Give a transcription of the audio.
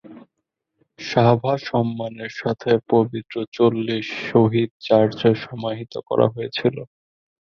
Sabah সম্মানের সাথে পবিত্র চল্লিশ শহীদ চার্চে সমাহিত করা হয়েছিল।